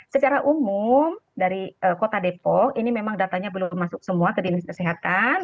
secara umum dari kota depok ini memang datanya belum masuk semua ke dinas kesehatan